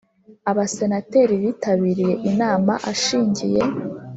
Abasenateri bitabiriye inama ashingiye